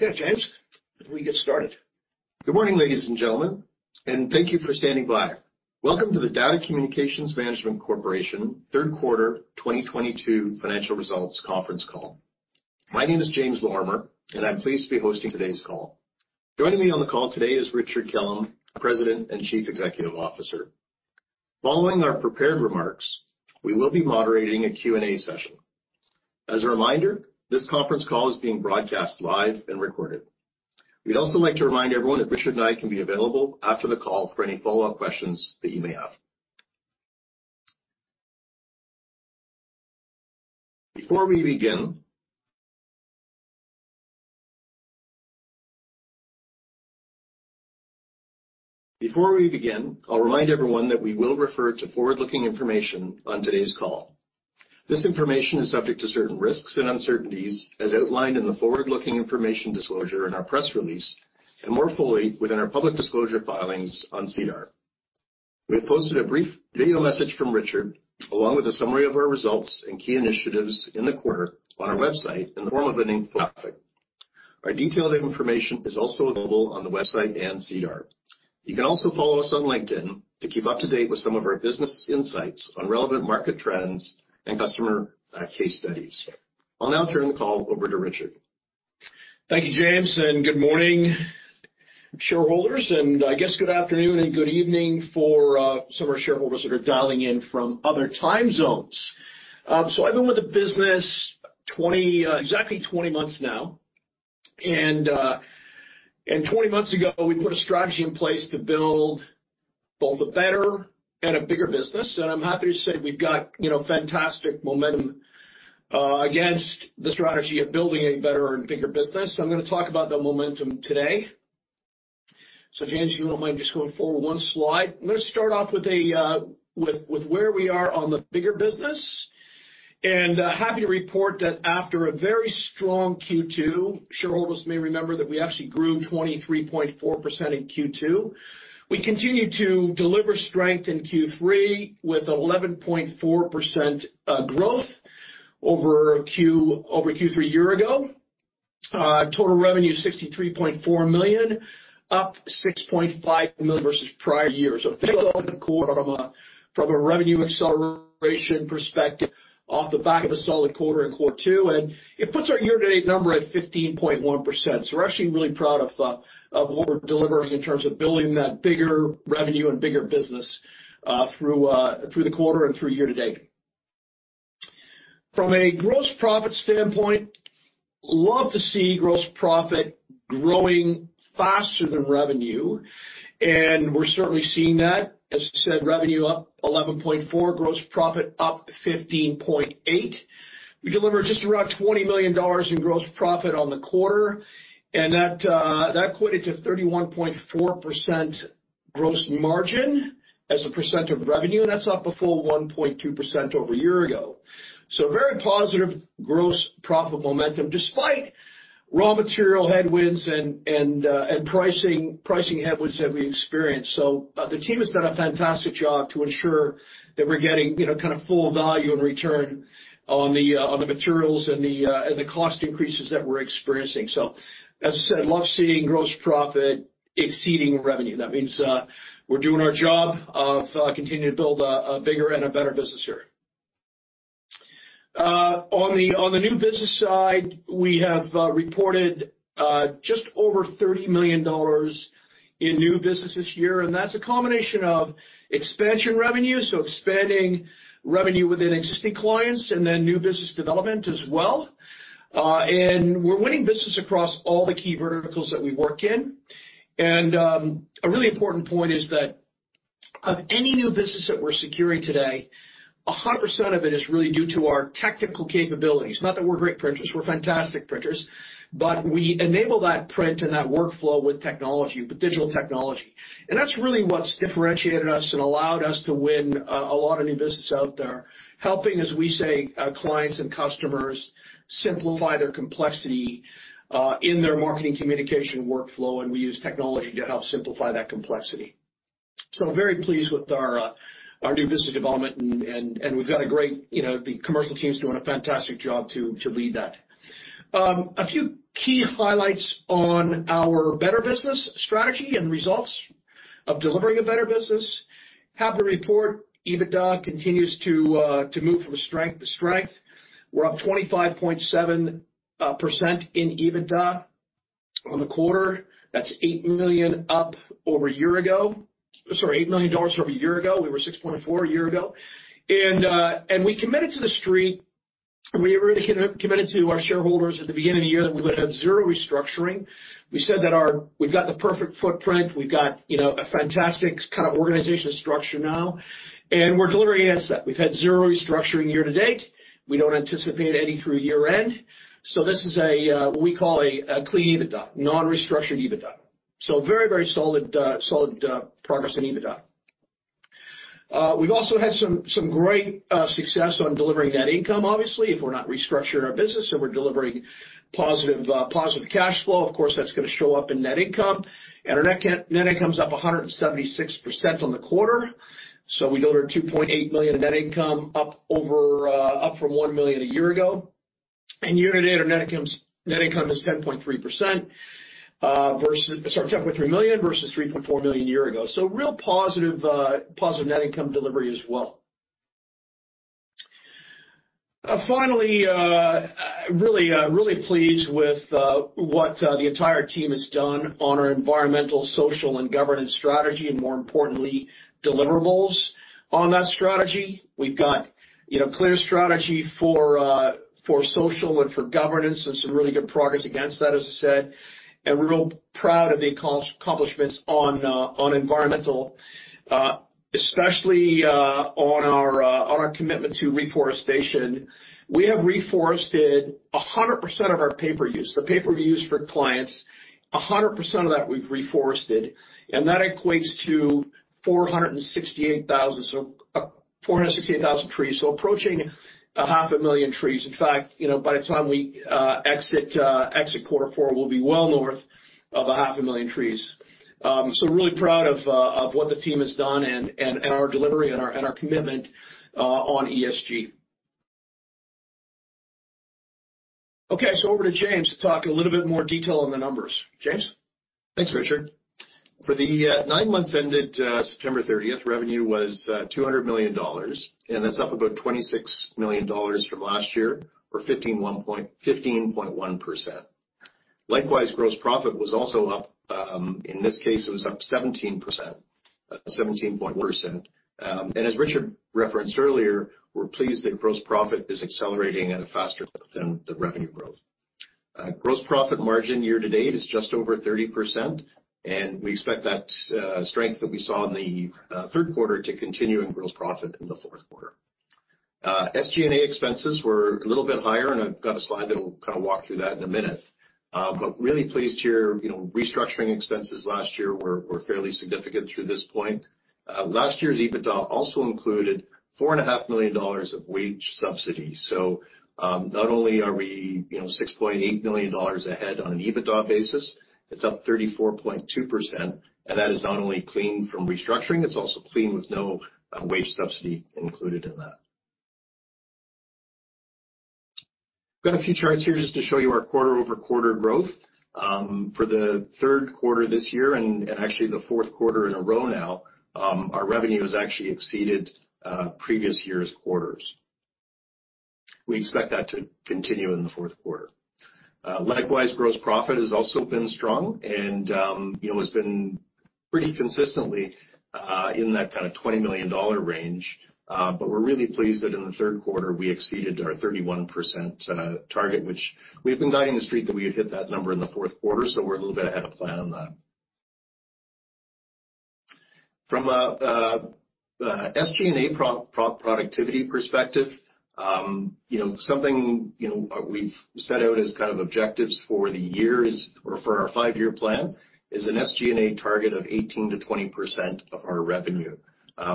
Okay, James, we can get started. Good morning, ladies and gentlemen, and thank you for standing by. Welcome to the DATA Communications Management Corp. third quarter 2022 financial results conference call. My name is James Lorimer, and I'm pleased to be hosting today's call. Joining me on the call today is Richard Kellam, President and Chief Executive Officer. Following our prepared remarks, we will be moderating a Q&A session. As a reminder, this conference call is being broadcast live and recorded. We'd also like to remind everyone that Richard and I can be available after the call for any follow-up questions that you may have. Before we begin, I'll remind everyone that we will refer to forward-looking information on today's call. This information is subject to certain risks and uncertainties, as outlined in the forward-looking information disclosure in our press release, and more fully within our public disclosure filings on SEDAR. We have posted a brief video message from Richard, along with a summary of our results and key initiatives in the quarter on our website in the form of an infographic. Our detailed information is also available on the website and SEDAR. You can also follow us on LinkedIn to keep up to date with some of our business insights on relevant market trends and customer case studies. I'll now turn the call over to Richard. Thank you, James, and good morning, shareholders, and I guess good afternoon and good evening for some of our shareholders that are dialing in from other time zones. I've been with the business 20, exactly 20 months now. Twenty months ago, we put a strategy in place to build both a better and a bigger business. I'm happy to say we've got, you know, fantastic momentum against the strategy of building a better and bigger business. I'm gonna talk about the momentum today. James, you don't mind just going forward one slide. I'm gonna start off with where we are on the bigger business. Happy to report that after a very strong Q2, shareholders may remember that we actually grew 23.4% in Q2. We continued to deliver strength in Q3 with 11.4% growth over Q3 a year ago. Total revenue 63.4 million, up 6.5 million versus prior years. From a revenue acceleration perspective off the back of a solid quarter in Q2, and it puts our year-to-date number at 15.1%. We're actually really proud of what we're delivering in terms of building that bigger revenue and bigger business through the quarter and through year to date. From a gross profit standpoint, love to see gross profit growing faster than revenue, and we're certainly seeing that. As I said, revenue up 11.4%, gross profit up 15.8%. We delivered just around 20 million dollars in gross profit on the quarter, and that equated to 31.4% gross margin as a percent of revenue, and that's up a full 1.2% over a year ago. Very positive gross profit momentum, despite raw material headwinds and pricing headwinds that we experienced. The team has done a fantastic job to ensure that we're getting, you know, kind of full value in return on the materials and the cost increases that we're experiencing. As I said, love seeing gross profit exceeding revenue. That means, we're doing our job of continuing to build a bigger and a better business here. On the new business side, we have reported just over 30 million dollars in new business this year, and that's a combination of expansion revenue, so expanding revenue within existing clients and then new business development as well. We're winning business across all the key verticals that we work in. A really important point is that of any new business that we're securing today, 100% of it is really due to our technical capabilities. Not that we're great printers, we're fantastic printers, but we enable that print and that workflow with technology, with digital technology. That's really what's differentiated us and allowed us to win a lot of new business out there. Helping, as we say, clients and customers simplify their complexity, in their marketing communication workflow, and we use technology to help simplify that complexity. Very pleased with our new business development and we've got a great, you know, the commercial team's doing a fantastic job to lead that. A few key highlights on our better business strategy and results of delivering a better business. Happy to report EBITDA continues to move from strength to strength. We're up 25.7% in EBITDA on the quarter. That's 8 million up over a year ago. Sorry, 8 million dollars over a year ago. We were 6.4 million a year ago. We committed to the street, we really committed to our shareholders at the beginning of the year that we would have zero restructuring. We've got the perfect footprint. We've got, you know, a fantastic kinda organizational structure now, and we're delivering against that. We've had zero restructuring year to date. We don't anticipate any through year end. This is what we call a clean EBITDA, non-restructured EBITDA. Very, very solid progress in EBITDA. We've also had some great success on delivering net income, obviously. If we're not restructuring our business and we're delivering positive cash flow, of course, that's gonna show up in net income. Our net income's up 176% on the quarter. We delivered 2.8 million in net income up from 1 million a year ago. Year-to-date, our net income is 10.3 million versus 3.4 million a year ago. Real positive net income delivery as well. Finally, really pleased with what the entire team has done on our environmental, social, and governance strategy, and more importantly, deliverables on that strategy. We've got, you know, clear strategy for social and for governance and some really good progress against that, as I said. We're real proud of the accomplishments on environmental, especially, on our, on our commitment to reforestation. We have reforested 100% of our paper use. The paper we use for clients, 100% of that we've reforested, and that equates to 468,000. 468,000 trees, so approaching half a million trees. In fact, by the time we exit quarter four, we'll be well north of half a million trees. Really proud of what the team has done and our delivery and our commitment on ESG. Okay, over to James to talk a little bit more detail on the numbers. James? Thanks, Richard. For the nine months ended September thirtieth, revenue was 200 million dollars, and that's up about 26 million dollars from last year or 15.1%. Likewise, gross profit was also up. In this case, it was up 17%. 17.1%. As Richard referenced earlier, we're pleased that gross profit is accelerating at a faster than the revenue growth. Gross profit margin year to date is just over 30%, and we expect that strength that we saw in the third quarter to continue in gross profit in the fourth quarter. SG&A expenses were a little bit higher, and I've got a slide that'll kinda walk through that in a minute. Really pleased here. You know, restructuring expenses last year were fairly significant through this point. Last year's EBITDA also included four and a half million dollars of wage subsidies. Not only are we, you know, 6.8 million dollars ahead on an EBITDA basis, it's up 34.2%. That is not only clean from restructuring, it's also clean with no wage subsidy included in that. Got a few charts here just to show you our quarter-over-quarter growth. For the third quarter this year and actually the fourth quarter in a row now, our revenue has actually exceeded previous years' quarters. We expect that to continue in the fourth quarter. Likewise, gross profit has also been strong and, you know, has been pretty consistently in that kind of 20 million dollar range. We're really pleased that in the third quarter we exceeded our 31% target, which we've been guiding the street that we would hit that number in the fourth quarter, so we're a little bit ahead of plan on that. From a SG&A productivity perspective, you know, something, you know, we've set out as kind of objectives for the years or for our five-year plan is an SG&A target of 18%-20% of our revenue.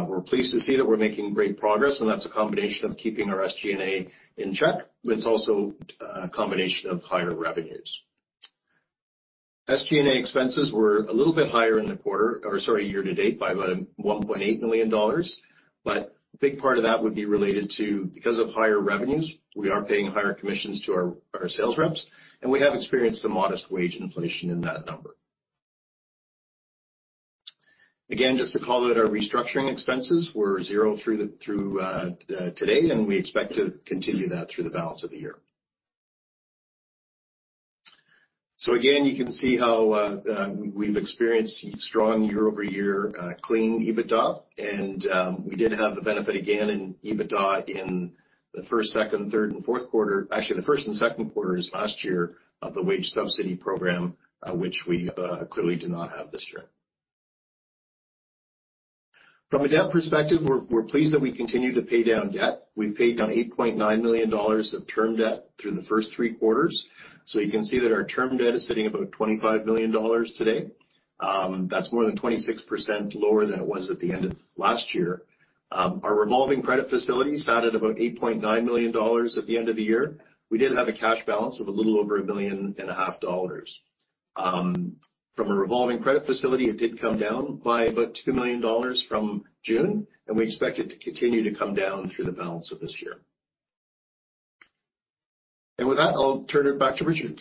We're pleased to see that we're making great progress, and that's a combination of keeping our SG&A in check, but it's also a combination of higher revenues. SG&A expenses were a little bit higher, sorry, year to date by about 1.8 million dollars. Big part of that would be related to, because of higher revenues, we are paying higher commissions to our sales reps, and we have experienced a modest wage inflation in that number. Again, just to call out our restructuring expenses were zero through today, and we expect to continue that through the balance of the year. You can see how we've experienced strong year-over-year clean EBITDA, and we did have the benefit again in EBITDA in the first, second, third and fourth quarter. Actually, the first and second quarters last year of the wage subsidy program, which we clearly do not have this year. From a debt perspective, we're pleased that we continue to pay down debt. We've paid down 8.9 million dollars of term debt through the first three quarters. You can see that our term debt is sitting at about 25 million dollars today. That's more than 26% lower than it was at the end of last year. Our revolving credit facilities sat at about 8.9 million dollars at the end of the year. We did have a cash balance of a little over 1.5 million. From a revolving credit facility, it did come down by about 2 million dollars from June, and we expect it to continue to come down through the balance of this year. With that, I'll turn it back to Richard.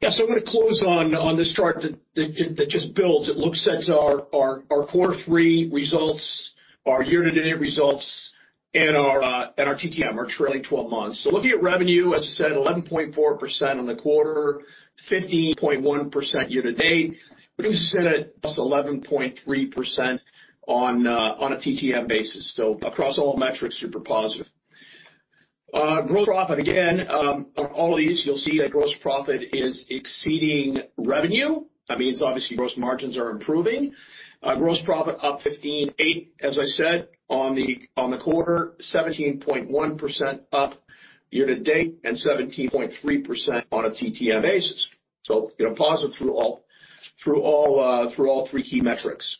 Yeah. I'm gonna close on this chart that just builds. It looks at our core three results, our year-to-date results, and our TTM, our trailing twelve months. Looking at revenue, as I said, 11.4% on the quarter, 15.1% year-to-date. Brings us in at +11.3% on a TTM basis. Across all metrics, super positive. Gross profit again, on all of these you'll see that gross profit is exceeding revenue. I mean, it's obviously gross margins are improving. Gross profit up 15.8, as I said, on the quarter. 17.1% up year-to-date and 17.3% on a TTM basis. You know, positive through all three key metrics.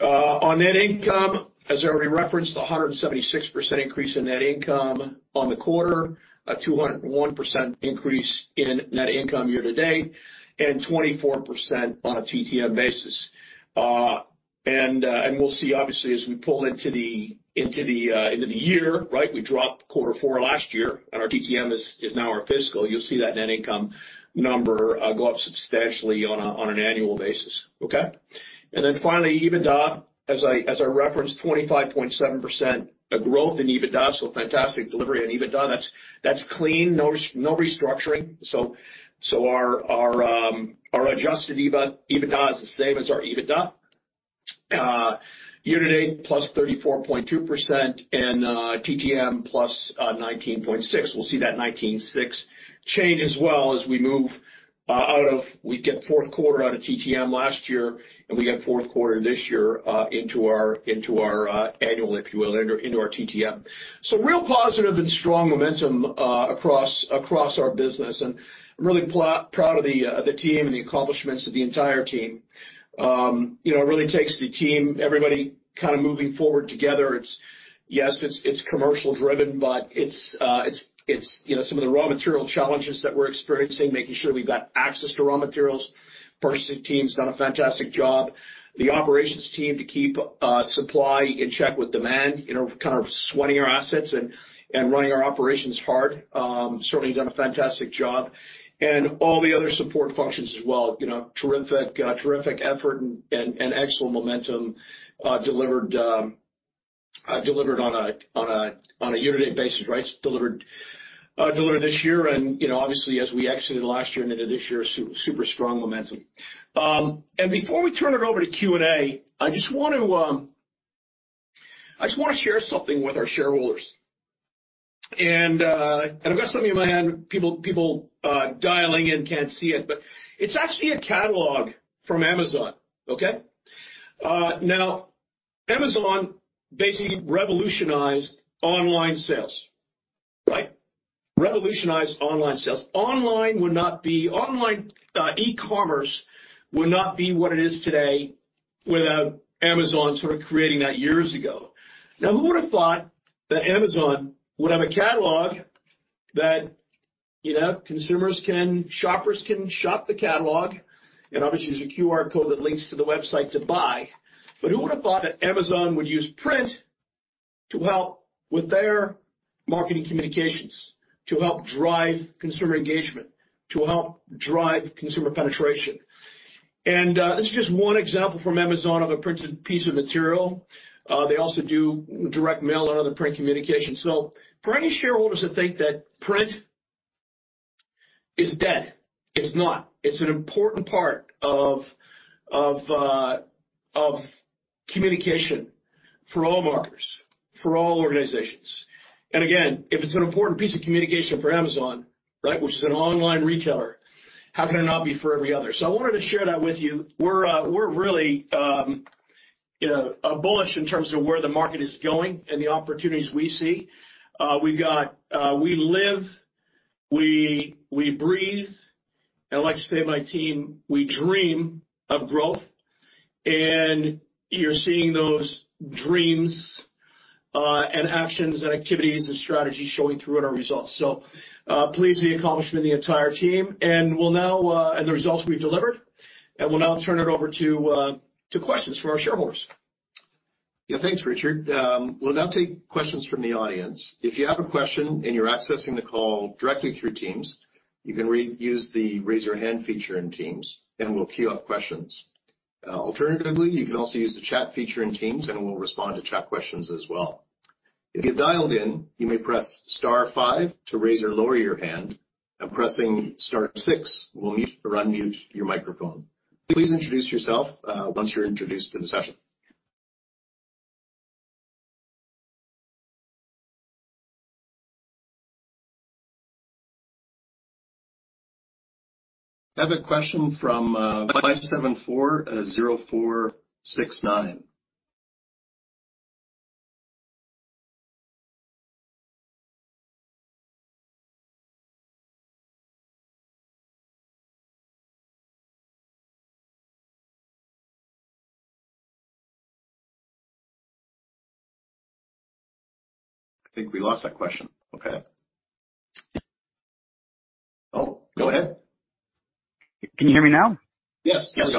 On net income, as I already referenced, 176% increase in net income on the quarter, 201% increase in net income year to date, and 24% on a TTM basis. We'll see obviously as we roll into the year, right? We dropped quarter four last year, and our TTM is now our fiscal. You'll see that net income number go up substantially on an annual basis. Finally, EBITDA, as I referenced, 25.7% growth in EBITDA. Fantastic delivery on EBITDA. That's clean, no restructuring. Our adjusted EBITDA is the same as our EBITDA. Q4 +34.2% and TTM +19.6%. We'll see that 19.6 change as well as we move out of. We get fourth quarter out of TTM last year, and we get fourth quarter this year, into our annual, if you will, into our TTM. Real positive and strong momentum across our business. I'm really proud of the team and the accomplishments of the entire team. You know, it really takes the team, everybody kind of moving forward together. It's commercial driven, but it's you know, some of the raw material challenges that we're experiencing, making sure we've got access to raw materials. Purchasing team's done a fantastic job. The operations team to keep supply in check with demand, you know, kind of sweating our assets and running our operations hard, certainly done a fantastic job. All the other support functions as well, you know, terrific effort and excellent momentum delivered on a year-to-date basis, right? Delivered this year. You know, obviously, as we exited last year and into this year, super strong momentum. Before we turn it over to Q&A, I just want to share something with our shareholders. I've got something in my hand. People dialing in can't see it, but it's actually a catalog from Amazon. Okay? Now, Amazon basically revolutionized online sales, right? Revolutionized online sales. Online e-commerce would not be what it is today without Amazon sort of creating that years ago. Now, who would have thought that Amazon would have a catalog that, you know, consumers can, shoppers can shop the catalog and obviously use a QR code that leads to the website to buy. Who would have thought that Amazon would use print to help with their marketing communications, to help drive consumer engagement, to help drive consumer penetration? This is just one example from Amazon of a printed piece of material. They also do direct mail and other print communications. For any shareholders that think that print is dead, it's not. It's an important part of communication for all marketers, for all organizations. Again, if it's an important piece of communication for Amazon, right, which is an online retailer, how can it not be for every other? I wanted to share that with you. We're really bullish in terms of where the market is going and the opportunities we see. We live, we breathe, and like I say to my team, we dream of growth. You're seeing those dreams and actions and activities and strategies showing through in our results. Pleased with the accomplishment of the entire team and the results we've delivered. We'll now turn it over to questions from our shareholders. Yeah. Thanks, Richard. We'll now take questions from the audience. If you have a question and you're accessing the call directly through Teams, you can re-use the Raise Your Hand feature in Teams, and we'll queue up questions. Alternatively, you can also use the chat feature in Teams, and we'll respond to chat questions as well. If you've dialed in, you may press star five to raise or lower your hand, and pressing star six will mute or unmute your microphone. Please introduce yourself once you're introduced to the session. I have a question from 5740469. I think we lost that question. Okay. Oh, go ahead. Can you hear me now? Yes. There we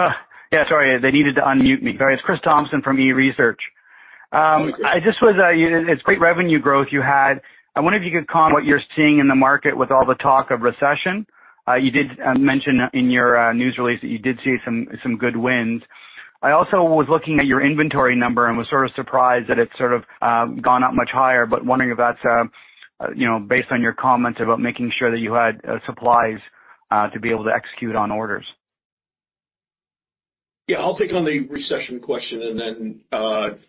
go. Yeah, sorry. They needed to unmute me. All right, it's Chris Thompson from eResearch. I just was, you know, it's great revenue growth you had. I wonder if you could comment what you're seeing in the market with all the talk of recession. You did mention in your news release that you did see some good wins. I also was looking at your inventory number and was sort of surprised that it's sort of gone up much higher, but wondering if that's, you know, based on your comments about making sure that you had supplies to be able to execute on orders. Yeah. I'll take on the recession question, and then,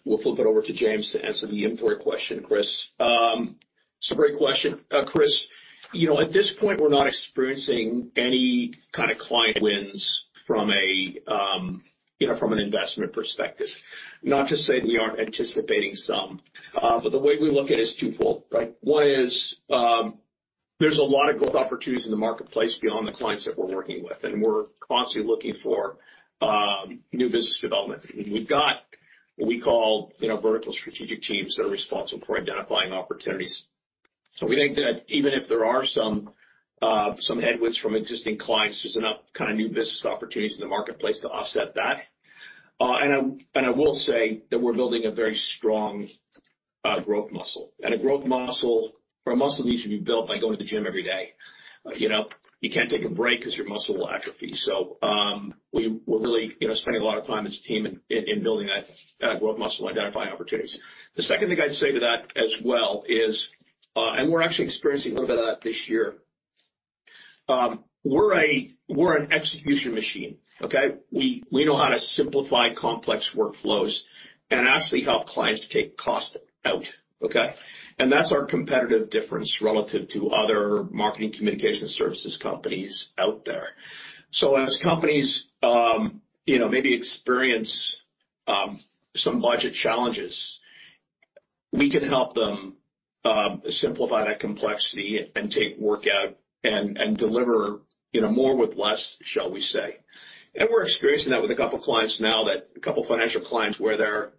we'll flip it over to James to answer the inventory question, Chris. It's a great question, Chris. You know, at this point, we're not experiencing any kind of client wins from a, you know, from an investment perspective. Not to say we aren't anticipating some, but the way we look at it is twofold, right? One is, there's a lot of growth opportunities in the marketplace beyond the clients that we're working with, and we're constantly looking for, new business development. We've got what we call, you know, vertical strategic teams that are responsible for identifying opportunities. We think that even if there are some headwinds from existing clients, there's enough kind of new business opportunities in the marketplace to offset that. I will say that we're building a very strong growth muscle. A growth muscle or a muscle needs to be built by going to the gym every day. You know, you can't take a break 'cause your muscle will atrophy. We're really, you know, spending a lot of time as a team in building that growth muscle, identifying opportunities. The second thing I'd say to that as well is, we're actually experiencing a little bit of that this year. We're an execution machine. We know how to simplify complex workflows and actually help clients take cost out. That's our competitive difference relative to other marketing communication services companies out there. As companies, you know, maybe experience some budget challenges, we can help them simplify that complexity and take work out and deliver, you know, more with less, shall we say. We're experiencing that with a couple of clients now, a couple financial clients, where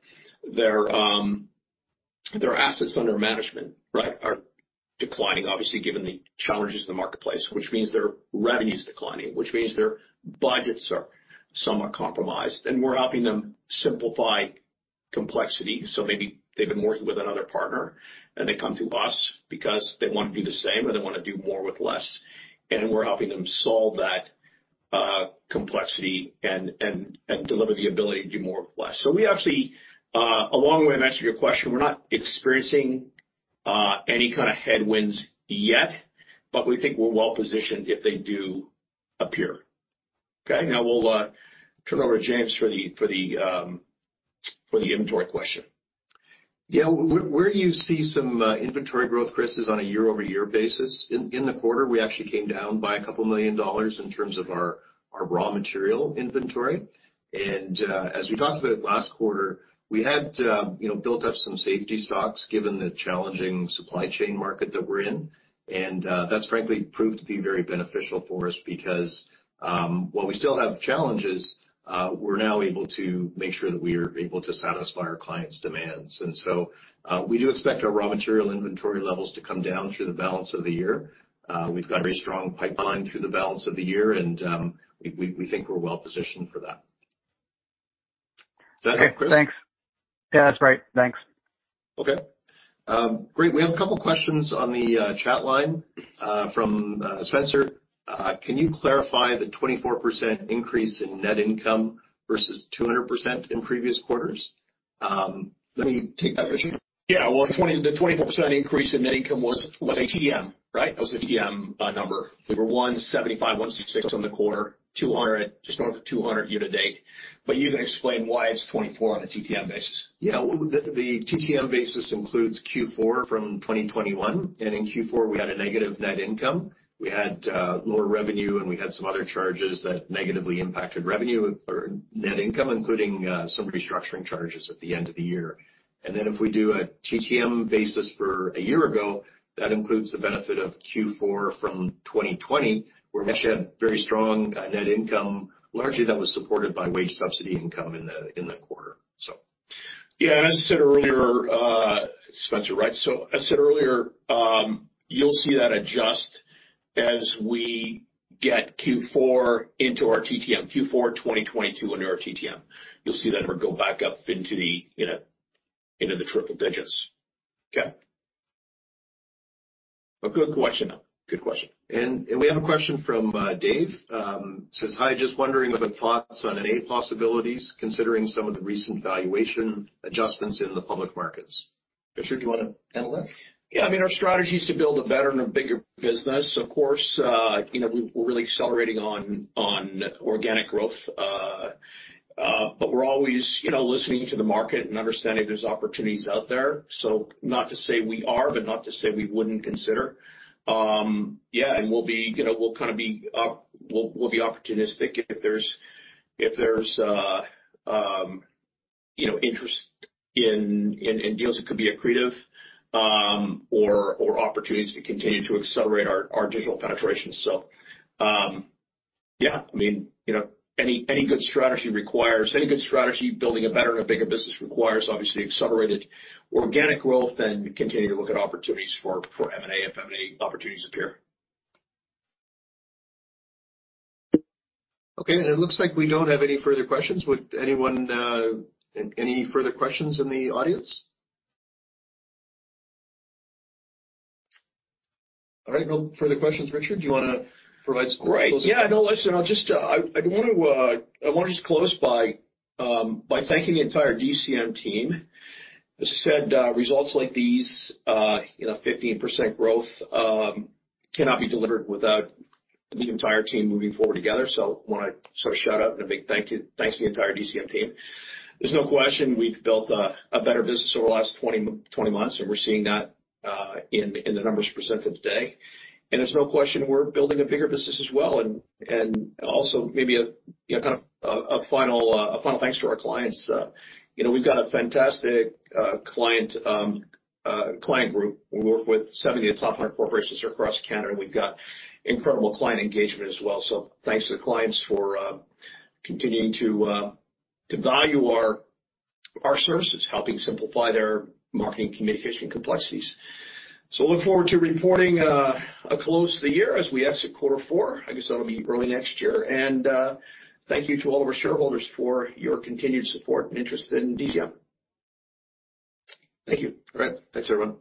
their assets under management, right, are declining, obviously, given the challenges in the marketplace, which means their revenue's declining, which means their budgets are somewhat compromised. We're helping them simplify complexity. Maybe they've been working with another partner, and they come to us because they wanna do the same or they wanna do more with less, and we're helping them solve that complexity and deliver the ability to do more with less. We actually took a long way to answer your question, we're not experiencing any kinda headwinds yet, but we think we're well-positioned if they do appear. Okay? Now we'll turn it over to James Lorimer for the inventory question. Yeah. Where you see some inventory growth, Chris, is on a year-over-year basis. In the quarter, we actually came down by 2 million dollars in terms of our raw material inventory. As we talked about it last quarter, we had you know built up some safety stocks given the challenging supply chain market that we're in. That's frankly proved to be very beneficial for us because while we still have challenges we're now able to make sure that we are able to satisfy our clients' demands. We do expect our raw material inventory levels to come down through the balance of the year. We've got a very strong pipeline through the balance of the year and we think we're well positioned for that. Is that it, Chris? Okay. Thanks. Yeah, that's right. Thanks. Okay. Great. We have a couple of questions on the chat line from Spencer. Can you clarify the 24% increase in net income versus 200% in previous quarters? Let me take that, Richard. Yeah. Well, the 24% increase in net income was a TTM, right? That was a TTM number. We were 175, 166 on the quarter, 200, just over 200 year-to-date. But you can explain why it's 24% on a TTM basis. Yeah. Well, the TTM basis includes Q4 from 2021, and in Q4 we had a negative net income. We had lower revenue, and we had some other charges that negatively impacted revenue or net income, including some restructuring charges at the end of the year. If we do a TTM basis for a year ago, that includes the benefit of Q4 from 2020, where we actually had very strong net income, largely that was supported by wage subsidy income in the quarter. As I said earlier, Spencer, right? You'll see that adjust as we get Q4 into our TTM. Q4 2022 into our TTM. You'll see the number go back up into the, you know, into the triple digits. Okay. A good question, though. Good question. We have a question from Dave. Says, "Hi, just wondering about thoughts on any possibilities considering some of the recent valuation adjustments in the public markets." Richard, do you wanna handle that? Yeah. I mean, our strategy is to build a better and a bigger business. Of course, you know, we're really accelerating on organic growth. We're always, you know, listening to the market and understanding there's opportunities out there. Not to say we are, but not to say we wouldn't consider. Yeah, we'll be, you know, opportunistic if there's you know, interest in deals that could be accretive, or opportunities to continue to accelerate our digital penetration. Yeah, I mean, you know, any good strategy building a better and a bigger business requires obviously accelerated organic growth and continue to look at opportunities for M&A if M&A opportunities appear. Okay. It looks like we don't have any further questions. Any further questions in the audience? All right. No further questions. Richard, do you wanna provide some closing remarks? Great. Yeah, no, listen, I wanna just close by thanking the entire DCM team. As I said, results like these, you know, 15% growth cannot be delivered without the entire team moving forward together. Wanna sort of shout out and a big thank you to the entire DCM team. There's no question we've built a better business over the last 20 months, and we're seeing that in the numbers presented today. Also maybe, you know, kind of a final thanks to our clients. You know, we've got a fantastic client group. We work with 70 of the top 100 corporations across Canada. We've got incredible client engagement as well. Thanks to the clients for continuing to value our services, helping simplify their marketing communication complexities. Look forward to reporting a close to the year as we exit quarter four. I guess that'll be early next year. Thank you to all of our shareholders for your continued support and interest in DCM. Thank you. All right. Thanks, everyone.